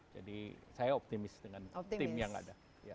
jadi saya optimis dengan tim yang ada